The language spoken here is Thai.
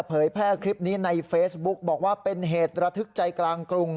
เผยแพร่คลิปนี้ในเฟซบุ๊กบอกว่าเป็นเหตุระทึกใจกลางกรุง